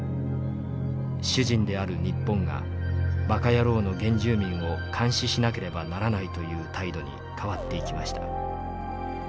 主人である日本がバカヤローの原住民を監視しなければならないという態度に変わっていきました」。